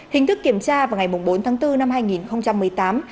hình thức kiểm tra vào ngày bốn tháng bốn năm hai nghìn một mươi tám